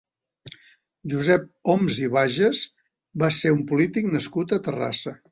Josep Homs i Bages va ser un polític nascut a Terrassa.